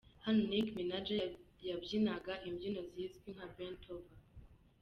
Hano Nick Minaj yabyinaga imbyino zizwi nka Bent over.